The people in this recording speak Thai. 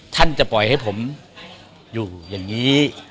ท่านจะปล่อยให้ผมอยู่อย่างนี้